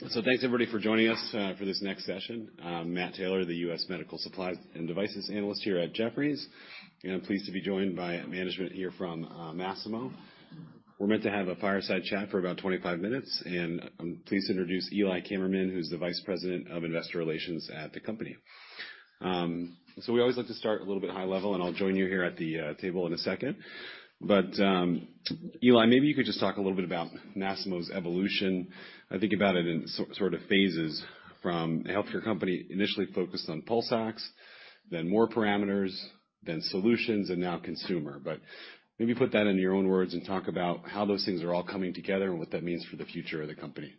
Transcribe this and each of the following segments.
Thanks, everybody, for joining us for this next session. I'm Matt Taylor, the U.S. medical supplies and devices analyst here at Jefferies. I'm pleased to be joined by management here from Masimo. We're meant to have a fireside chat for about 25 minutes. I'm pleased to introduce Eli Kammerman, who's the Vice President of Investor Relations at the company. We always like to start a little bit high level, and I'll join you here at the table in a second. Eli, maybe you could just talk a little bit about Masimo's evolution. I think about it in sort of phases from a healthcare company initially focused on pulse ox, then more parameters, then solutions, and now consumer. Maybe put that in your own words and talk about how those things are all coming together and what that means for the future of the company.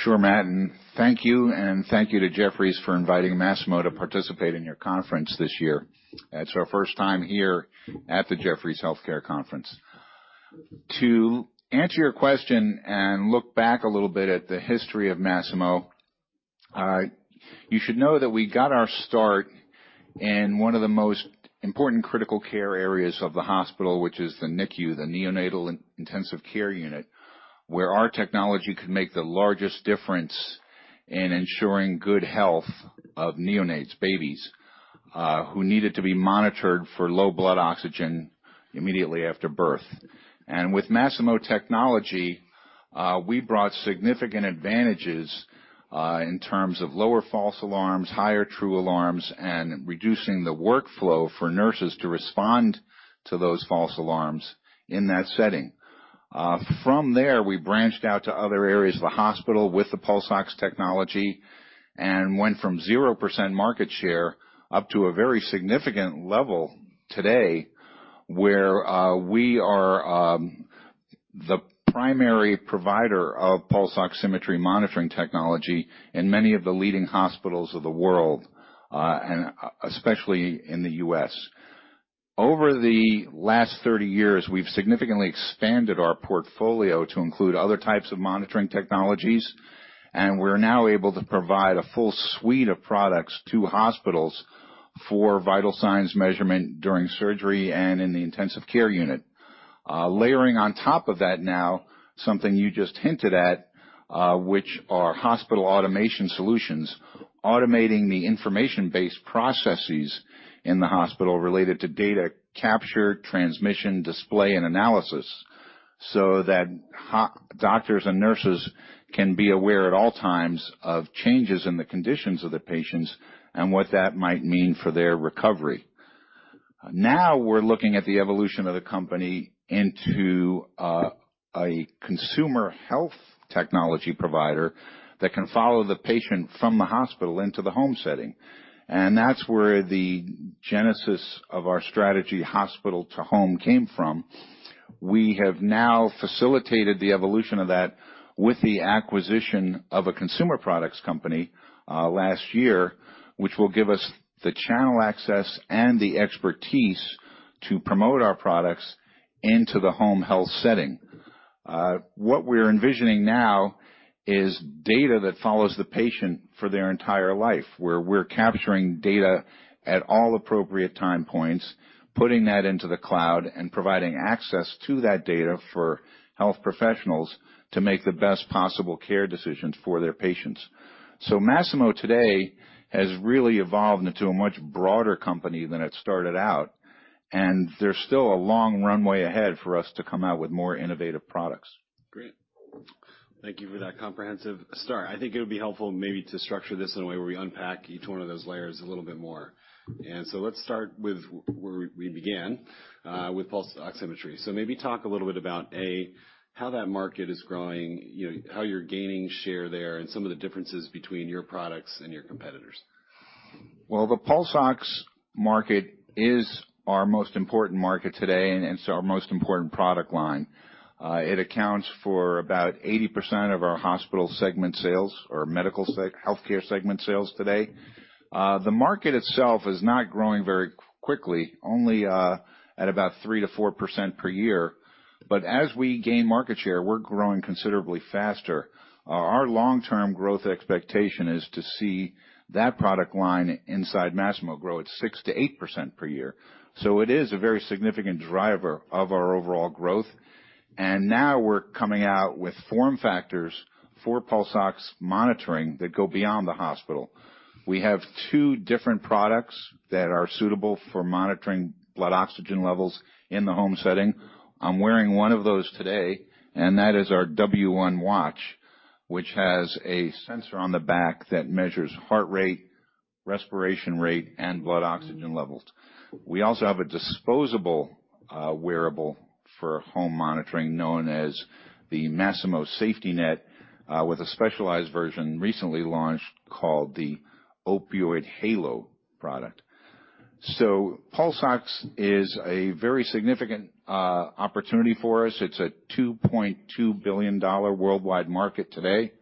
Sure, Matt. And thank you. And thank you to Jefferies for inviting Masimo to participate in your conference this year. It's our first time here at the Jefferies Healthcare Conference. To answer your question and look back a little bit at the history of Masimo, you should know that we got our start in one of the most important critical care areas of the hospital, which is the NICU, the Neonatal Intensive Care Unit, where our technology could make the largest difference in ensuring good health of neonates, babies who needed to be monitored for low blood oxygen immediately after birth. And with Masimo technology, we brought significant advantages in terms of lower false alarms, higher true alarms, and reducing the workflow for nurses to respond to those false alarms in that setting. From there, we branched out to other areas of the hospital with the pulse ox technology and went from 0% market share up to a very significant level today where we are the primary provider of pulse oximetry monitoring technology in many of the leading hospitals of the world, and especially in the U.S. Over the last 30 years, we've significantly expanded our portfolio to include other types of monitoring technologies, and we're now able to provide a full suite of products to hospitals for vital signs measurement during surgery and in the intensive care unit. Layering on top of that now, something you just hinted at, which are hospital automation solutions, automating the information-based processes in the hospital related to data capture, transmission, display, and analysis so that doctors and nurses can be aware at all times of changes in the conditions of the patients and what that might mean for their recovery. Now we're looking at the evolution of the company into a consumer health technology provider that can follow the patient from the hospital into the home setting, and that's where the genesis of our strategy, hospital to home, came from. We have now facilitated the evolution of that with the acquisition of a consumer products company last year, which will give us the channel access and the expertise to promote our products into the home health setting. What we're envisioning now is data that follows the patient for their entire life, where we're capturing data at all appropriate time points, putting that into the cloud, and providing access to that data for health professionals to make the best possible care decisions for their patients. So Masimo today has really evolved into a much broader company than it started out. And there's still a long runway ahead for us to come out with more innovative products. Great. Thank you for that comprehensive start. I think it would be helpful maybe to structure this in a way where we unpack each one of those layers a little bit more, and so let's start with where we began with pulse oximetry, so maybe talk a little bit about, A, how that market is growing, how you're gaining share there, and some of the differences between your products and your competitors. The pulse ox market is our most important market today and our most important product line. It accounts for about 80% of our hospital segment sales or medical healthcare segment sales today. The market itself is not growing very quickly, only at about 3%-4% per year. But as we gain market share, we're growing considerably faster. Our long-term growth expectation is to see that product line inside Masimo grow at 6%-8% per year. So it is a very significant driver of our overall growth. And now we're coming out with form factors for pulse ox monitoring that go beyond the hospital. We have two different products that are suitable for monitoring blood oxygen levels in the home setting. I'm wearing one of those today. That is our W1 Watch, which has a sensor on the back that measures heart rate, respiration rate, and blood oxygen levels. We also have a disposable wearable for home monitoring known as the Masimo SafetyNet with a specialized version recently launched called the Opioid Halo product. Pulse ox is a very significant opportunity for us. It's a $2.2 billion worldwide market today.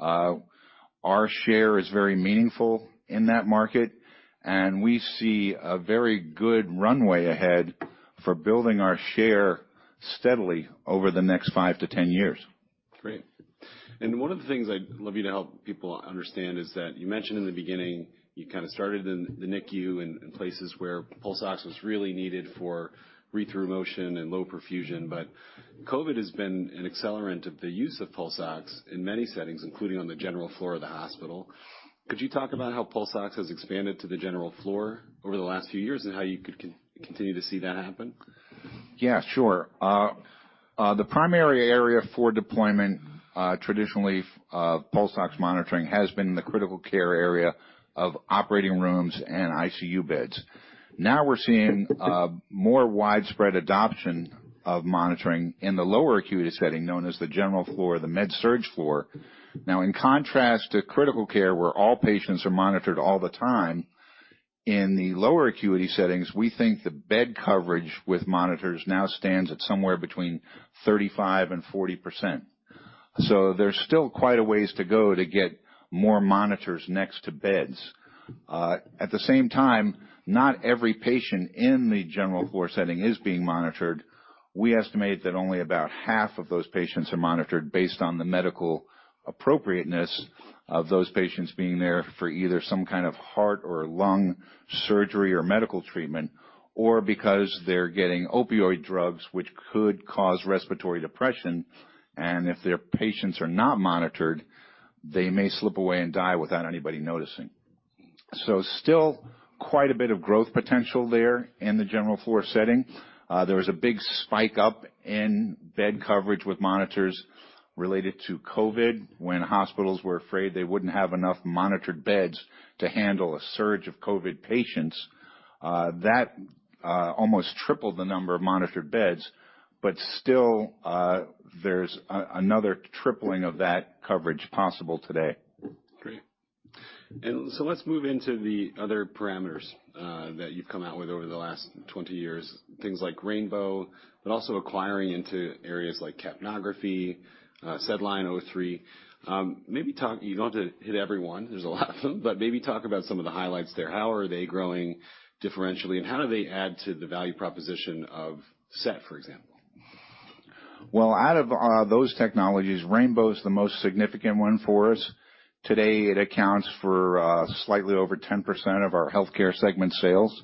Our share is very meaningful in that market. We see a very good runway ahead for building our share steadily over the next five to 10 years. Great. And one of the things I'd love you to help people understand is that you mentioned in the beginning you kind of started in the NICU and places where pulse ox was really needed for read-through motion and low perfusion. But COVID has been an accelerant of the use of pulse ox in many settings, including on the general floor of the hospital. Could you talk about how pulse ox has expanded to the general floor over the last few years and how you could continue to see that happen? Yeah, sure. The primary area for deployment traditionally of pulse ox monitoring has been in the critical care area of operating rooms and ICU beds. Now we're seeing more widespread adoption of monitoring in the lower acuity setting known as the general floor, the med-surg floor. Now, in contrast to critical care, where all patients are monitored all the time, in the lower acuity settings, we think the bed coverage with monitors now stands at somewhere between 35% and 40%. So there's still quite a ways to go to get more monitors next to beds. At the same time, not every patient in the general floor setting is being monitored. We estimate that only about half of those patients are monitored based on the medical appropriateness of those patients being there for either some kind of heart or lung surgery or medical treatment or because they're getting opioid drugs, which could cause respiratory depression, and if their patients are not monitored, they may slip away and die without anybody noticing, so still quite a bit of growth potential there in the general floor setting. There was a big spike up in bed coverage with monitors related to COVID when hospitals were afraid they wouldn't have enough monitored beds to handle a surge of COVID patients. That almost tripled the number of monitored beds, but still, there's another tripling of that coverage possible today. Great. And so let's move into the other parameters that you've come out with over the last 20 years, things like Rainbow, but also acquiring into areas like capnography, SedLine, O3. Maybe talk. You don't have to hit everyone. There's a lot of them. But maybe talk about some of the highlights there. How are they growing differentially? And how do they add to the value proposition of SET, for example? Out of those technologies, Rainbow is the most significant one for us. Today, it accounts for slightly over 10% of our healthcare segment sales.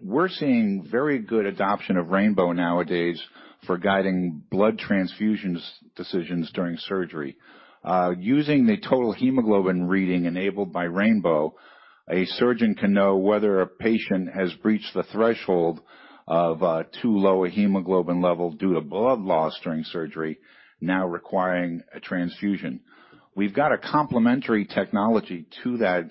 We're seeing very good adoption of Rainbow nowadays for guiding blood transfusion decisions during surgery. Using the total hemoglobin reading enabled by Rainbow, a surgeon can know whether a patient has breached the threshold of too low a hemoglobin level due to blood loss during surgery, now requiring a transfusion. We've got a complementary technology to that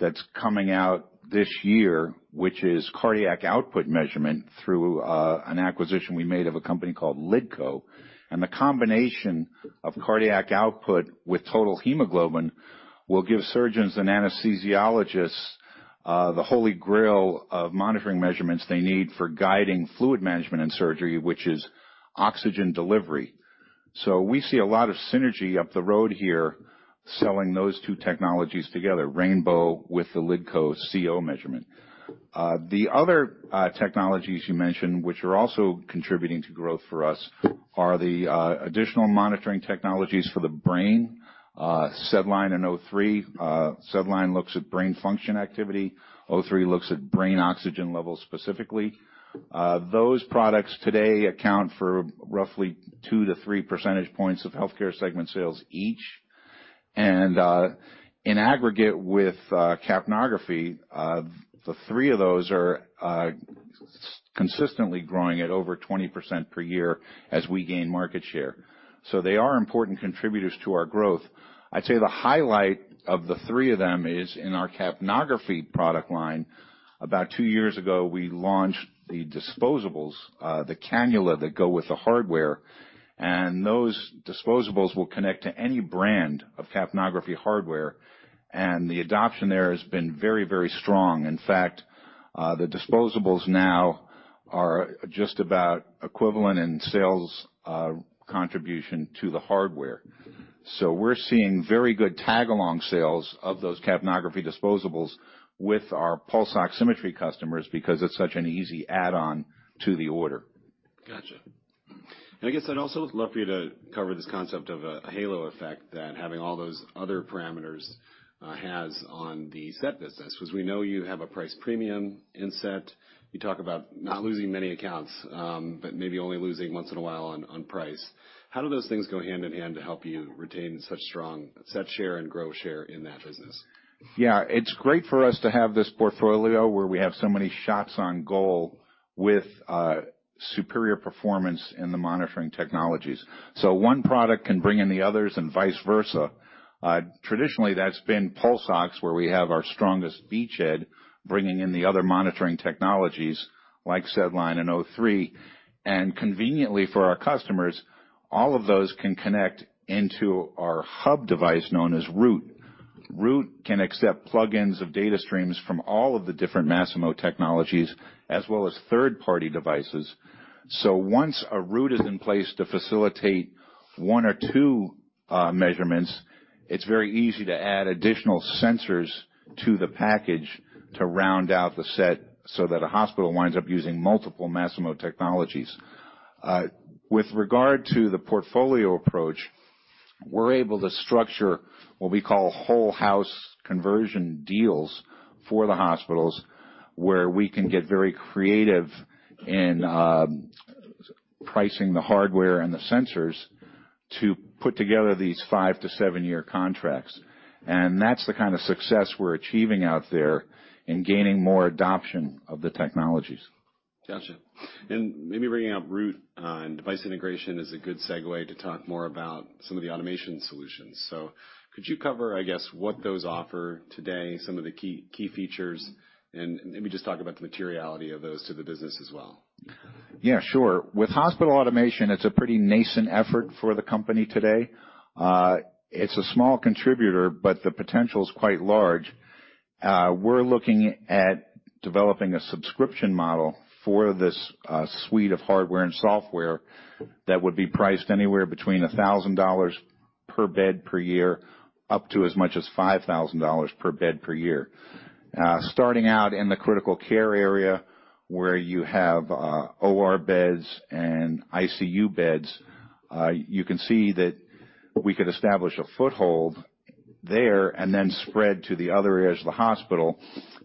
that's coming out this year, which is cardiac output measurement through an acquisition we made of a company called LiDCO. The combination of cardiac output with total hemoglobin will give surgeons and anesthesiologists the Holy Grail of monitoring measurements they need for guiding fluid management in surgery, which is oxygen delivery. So we see a lot of synergy up the road here selling those two technologies together, Rainbow with the LiDCO CO measurement. The other technologies you mentioned, which are also contributing to growth for us, are the additional monitoring technologies for the brain. SedLine and O3. SedLine looks at brain function activity. O3 looks at brain oxygen levels specifically. Those products today account for roughly 2%-3% points of healthcare segment sales each. And in aggregate with capnography, the three of those are consistently growing at over 20% per year as we gain market share. So they are important contributors to our growth. I'd say the highlight of the three of them is in our capnography product line. About two years ago, we launched the disposables, the cannula that go with the hardware. And those disposables will connect to any brand of capnography hardware. And the adoption there has been very, very strong. In fact, the disposables now are just about equivalent in sales contribution to the hardware. So we're seeing very good tag-along sales of those capnography disposables with our pulse oximetry customers because it's such an easy add-on to the order. Gotcha. And I guess I'd also love for you to cover this concept of a halo effect that having all those other parameters has on the SET business because we know you have a price premium in SET. You talk about not losing many accounts, but maybe only losing once in a while on price. How do those things go hand in hand to help you retain such strong SET share and grow share in that business? Yeah. It's great for us to have this portfolio where we have so many shots on goal with superior performance in the monitoring technologies. So one product can bring in the others and vice versa. Traditionally, that's been pulse ox, where we have our strongest beachhead bringing in the other monitoring technologies like SedLine and O3. And conveniently for our customers, all of those can connect into our hub device known as Root. Root can accept plug-ins of data streams from all of the different Masimo technologies as well as third-party devices. So once a Root is in place to facilitate one or two measurements, it's very easy to add additional sensors to the package to round out the set so that a hospital winds up using multiple Masimo technologies. With regard to the portfolio approach, we're able to structure what we call whole-house conversion deals for the hospitals where we can get very creative in pricing the hardware and the sensors to put together these five to seven-year contracts. And that's the kind of success we're achieving out there in gaining more adoption of the technologies. Gotcha. And maybe bringing up Root and device integration is a good segue to talk more about some of the automation solutions. So could you cover, I guess, what those offer today, some of the key features? And maybe just talk about the materiality of those to the business as well. Yeah, sure. With hospital automation, it's a pretty nascent effort for the company today. It's a small contributor, but the potential is quite large. We're looking at developing a subscription model for this suite of hardware and software that would be priced anywhere between $1,000 per bed per year up to as much as $5,000 per bed per year. Starting out in the critical care area where you have OR beds and ICU beds, you can see that we could establish a foothold there and then spread to the other areas of the hospital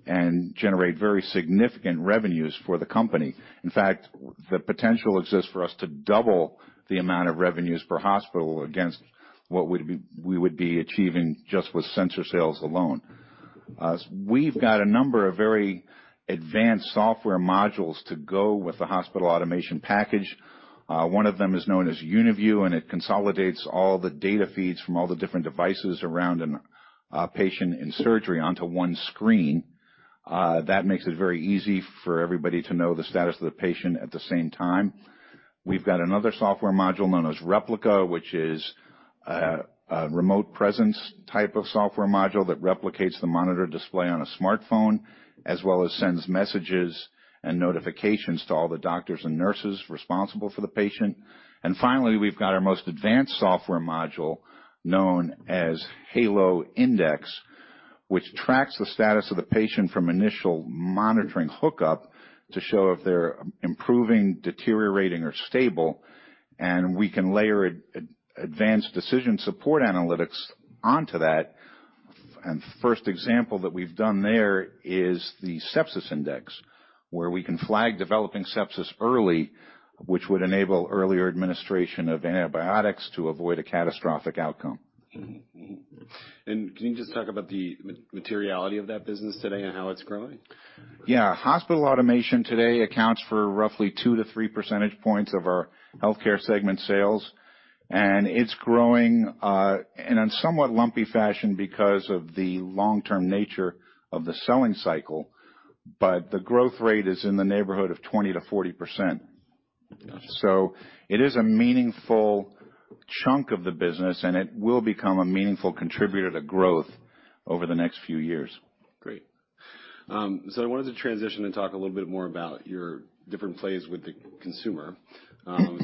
and generate very significant revenues for the company. In fact, the potential exists for us to double the amount of revenues per hospital against what we would be achieving just with sensor sales alone. We've got a number of very advanced software modules to go with the hospital automation package. One of them is known as UniView, and it consolidates all the data feeds from all the different devices around a patient in surgery onto one screen. That makes it very easy for everybody to know the status of the patient at the same time. We've got another software module known as Replica, which is a remote presence type of software module that replicates the monitor display on a smartphone as well as sends messages and notifications to all the doctors and nurses responsible for the patient. And finally, we've got our most advanced software module known as Halo Index, which tracks the status of the patient from initial monitoring hookup to show if they're improving, deteriorating, or stable. And we can layer advanced decision support analytics onto that. The first example that we've done there is the sepsis index, where we can flag developing sepsis early, which would enable earlier administration of antibiotics to avoid a catastrophic outcome. Can you just talk about the materiality of that business today and how it's growing? Yeah. Hospital automation today accounts for roughly 2%-3% points of our healthcare segment sales. And it's growing in a somewhat lumpy fashion because of the long-term nature of the selling cycle. But the growth rate is in the neighborhood of 20%-40%. So it is a meaningful chunk of the business, and it will become a meaningful contributor to growth over the next few years. Great, so I wanted to transition and talk a little bit more about your different plays with the consumer,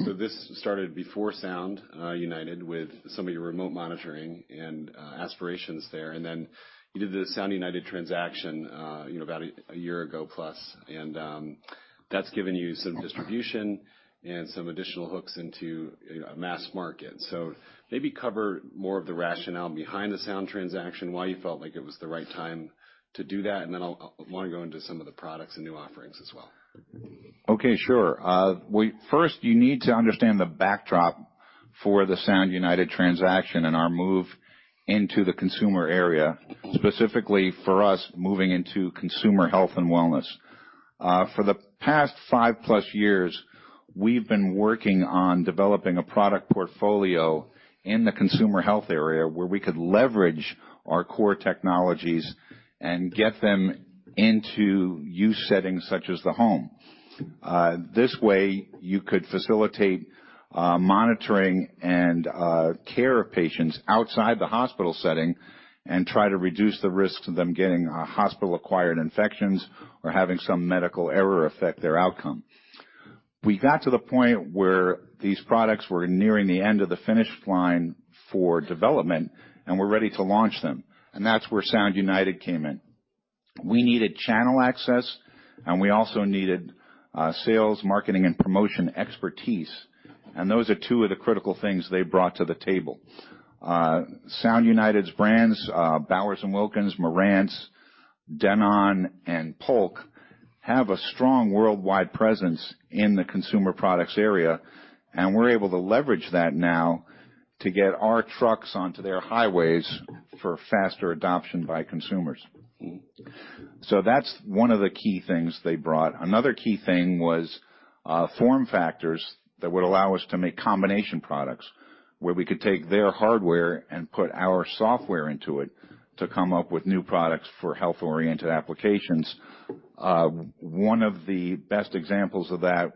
so this started before Sound United with some of your remote monitoring and aspirations there, and then you did the Sound United transaction about a year ago plus, and that's given you some distribution and some additional hooks into a mass market, so maybe cover more of the rationale behind the Sound transaction, why you felt like it was the right time to do that, and then I want to go into some of the products and new offerings as well. Okay, sure. First, you need to understand the backdrop for the Sound United transaction and our move into the consumer area, specifically for us moving into consumer health and wellness. For the past five plus years, we've been working on developing a product portfolio in the consumer health area where we could leverage our core technologies and get them into use settings such as the home. This way, you could facilitate monitoring and care of patients outside the hospital setting and try to reduce the risk of them getting hospital-acquired infections or having some medical error affect their outcome. We got to the point where these products were nearing the end of the finish line for development, and we're ready to launch them, and that's where Sound United came in. We needed channel access, and we also needed sales, marketing, and promotion expertise. And those are two of the critical things they brought to the table. Sound United's brands, Bowers & Wilkins, Marantz, Denon, and Polk have a strong worldwide presence in the consumer products area. And we're able to leverage that now to get our trucks onto their highways for faster adoption by consumers. So that's one of the key things they brought. Another key thing was form factors that would allow us to make combination products where we could take their hardware and put our software into it to come up with new products for health-oriented applications. One of the best examples of that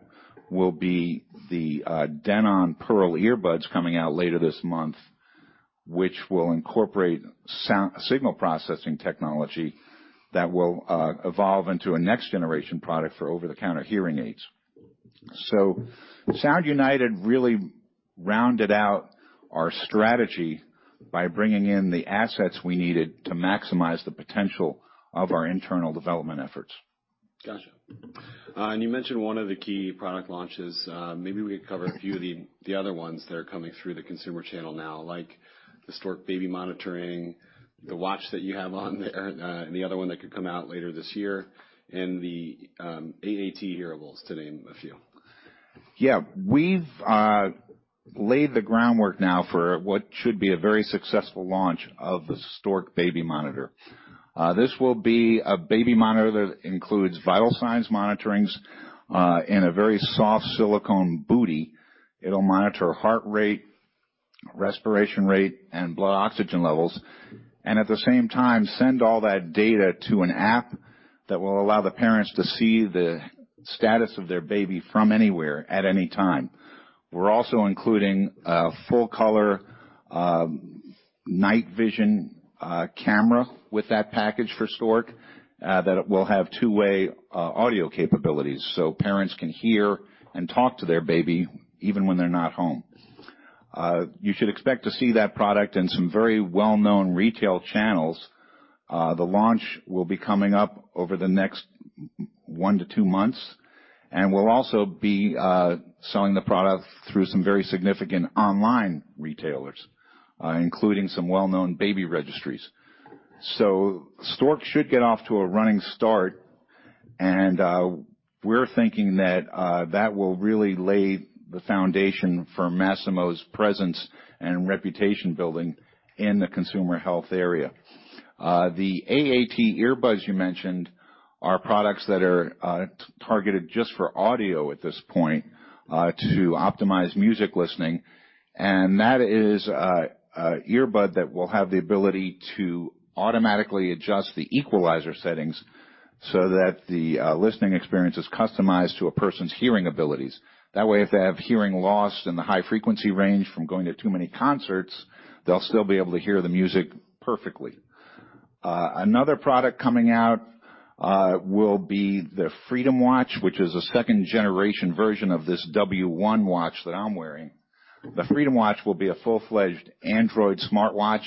will be the Denon PerL earbuds coming out later this month, which will incorporate signal processing technology that will evolve into a next-generation product for over-the-counter hearing aids. So Sound United really rounded out our strategy by bringing in the assets we needed to maximize the potential of our internal development efforts. Gotcha. And you mentioned one of the key product launches. Maybe we could cover a few of the other ones that are coming through the consumer channel now, like the Stork Baby Monitoring, the watch that you have on there, and the other one that could come out later this year, and the AAT hearables, to name a few. Yeah. We've laid the groundwork now for what should be a very successful launch of the Stork Baby Monitor. This will be a baby monitor that includes vital signs monitoring in a very soft silicone bootie. It'll monitor heart rate, respiration rate, and blood oxygen levels. And at the same time, send all that data to an app that will allow the parents to see the status of their baby from anywhere at any time. We're also including a full-color night vision camera with that package for Stork that will have two-way audio capabilities so parents can hear and talk to their baby even when they're not home. You should expect to see that product in some very well-known retail channels. The launch will be coming up over the next one to two months. We'll also be selling the product through some very significant online retailers, including some well-known baby registries. Stork should get off to a running start. We're thinking that that will really lay the foundation for Masimo's presence and reputation building in the consumer health area. The AAT earbuds you mentioned are products that are targeted just for audio at this point to optimize music listening. That is an earbud that will have the ability to automatically adjust the equalizer settings so that the listening experience is customized to a person's hearing abilities. That way, if they have hearing loss in the high-frequency range from going to too many concerts, they'll still be able to hear the music perfectly. Another product coming out will be the Freedom Watch, which is a second-generation version of this W1 watch that I'm wearing. The Masimo Freedom will be a full-fledged Android smartwatch.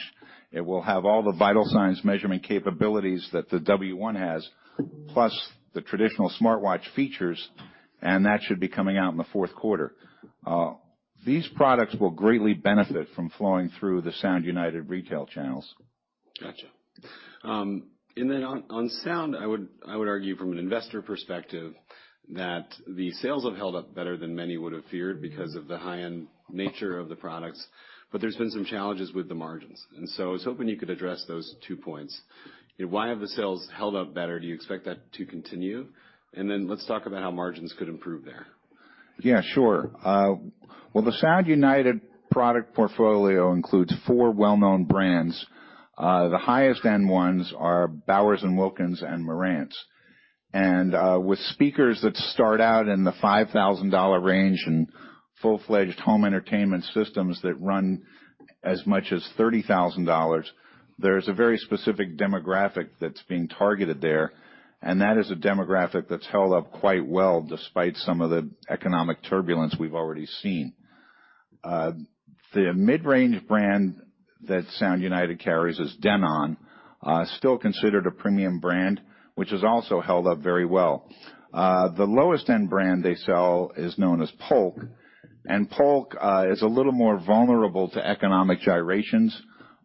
It will have all the vital signs measurement capabilities that the Masimo W1 has, plus the traditional smartwatch features. And that should be coming out in the fourth quarter. These products will greatly benefit from flowing through the Sound United retail channels. Gotcha. And then on Sound United, I would argue from an investor perspective that the sales have held up better than many would have feared because of the high-end nature of the products. But there's been some challenges with the margins. And so I was hoping you could address those two points. Why have the sales held up better? Do you expect that to continue? And then let's talk about how margins could improve there. Yeah, sure. Well, the Sound United product portfolio includes four well-known brands. The highest-end ones are Bowers & Wilkins and Marantz. And with speakers that start out in the $5,000 range and full-fledged home entertainment systems that run as much as $30,000, there's a very specific demographic that's being targeted there. And that is a demographic that's held up quite well despite some of the economic turbulence we've already seen. The mid-range brand that Sound United carries is Denon, still considered a premium brand, which has also held up very well. The lowest-end brand they sell is known as Polk. And Polk is a little more vulnerable to economic gyrations,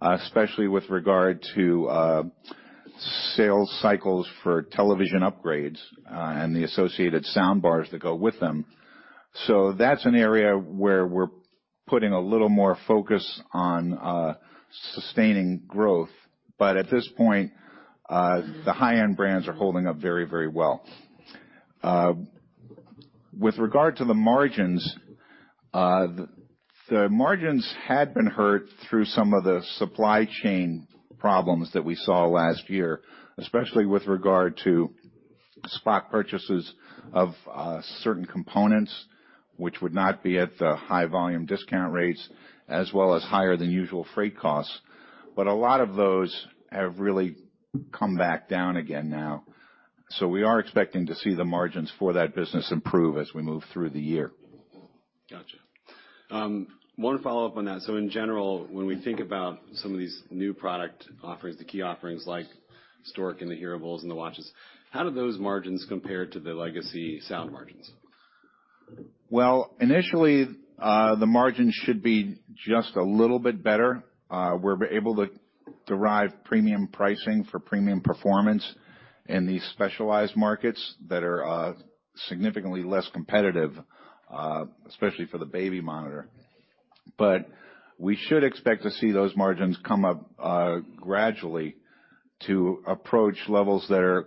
especially with regard to sales cycles for television upgrades and the associated sound bars that go with them. So that's an area where we're putting a little more focus on sustaining growth. But at this point, the high-end brands are holding up very, very well. With regard to the margins, the margins had been hurt through some of the supply chain problems that we saw last year, especially with regard to spot purchases of certain components, which would not be at the high-volume discount rates, as well as higher-than-usual freight costs. But a lot of those have really come back down again now. So we are expecting to see the margins for that business improve as we move through the year. Gotcha. One follow-up on that. So in general, when we think about some of these new product offerings, the key offerings like Stork and the hearables and the watches, how do those margins compare to the legacy sound margins? Initially, the margins should be just a little bit better. We're able to derive premium pricing for premium performance in these specialized markets that are significantly less competitive, especially for the baby monitor. We should expect to see those margins come up gradually to approach levels that are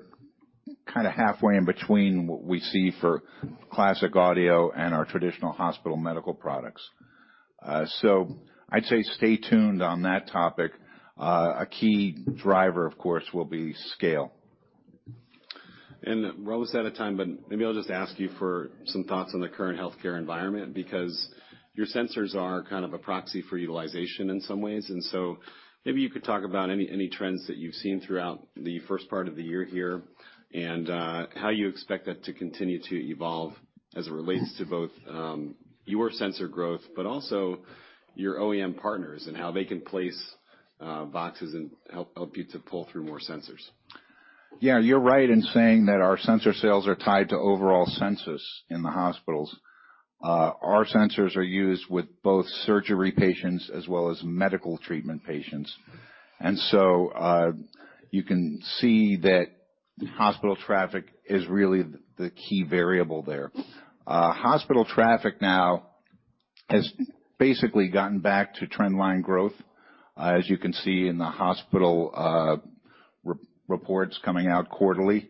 kind of halfway in between what we see for classic audio and our traditional hospital medical products. I'd say stay tuned on that topic. A key driver, of course, will be scale. We're almost out of time, but maybe I'll just ask you for some thoughts on the current healthcare environment because your sensors are kind of a proxy for utilization in some ways. So maybe you could talk about any trends that you've seen throughout the first part of the year here and how you expect that to continue to evolve as it relates to both your sensor growth, but also your OEM partners and how they can place boxes and help you to pull through more sensors. Yeah, you're right in saying that our sensor sales are tied to overall census in the hospitals. Our sensors are used with both surgery patients as well as medical treatment patients. And so you can see that hospital traffic is really the key variable there. Hospital traffic now has basically gotten back to trendline growth, as you can see in the hospital reports coming out quarterly.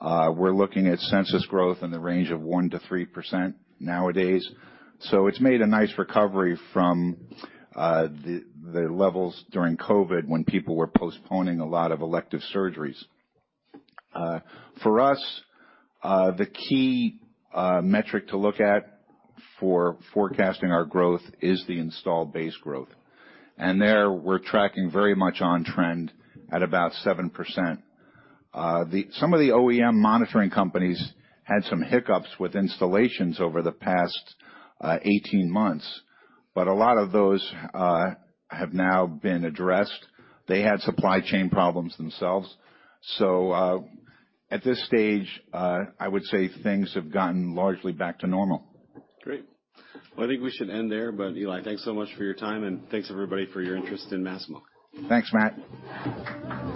We're looking at census growth in the range of 1%-3% nowadays. So it's made a nice recovery from the levels during COVID when people were postponing a lot of elective surgeries. For us, the key metric to look at for forecasting our growth is the installed base growth. And there, we're tracking very much on trend at about 7%. Some of the OEM monitoring companies had some hiccups with installations over the past 18 months. But a lot of those have now been addressed. They had supply chain problems themselves. So at this stage, I would say things have gotten largely back to normal. Great. Well, I think we should end there. But Eli, thanks so much for your time. And thanks, everybody, for your interest in Masimo. Thanks, Matt.